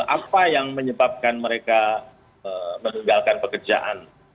apa yang menyebabkan mereka meninggalkan pekerjaan